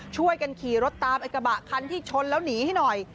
ช่วยกันขี่รถตามไอ้กระบะคันที่ชนแล้วหนีให้หน่อย